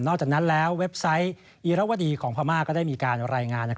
จากนั้นแล้วเว็บไซต์อีรวดีของพม่าก็ได้มีการรายงาน